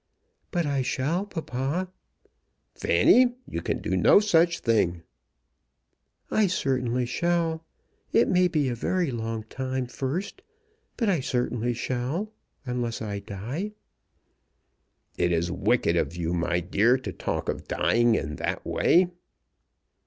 "But I shall, papa." "Fanny, you can do no such thing." "I certainly shall. It may be a very long time first; but I certainly shall, unless I die." "It is wicked of you, my dear, to talk of dying in that way."